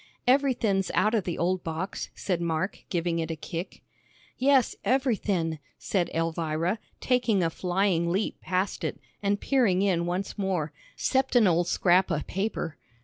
"Everythin's out of the old box," said Mark, giving it a kick. "Yes, everythin'," said Elvira, taking a flying leap past it, and peering in once more, "'cept an old scrap o' paper."